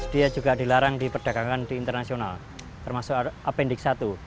dia juga dilarang diperdagangkan di internasional termasuk apendik satu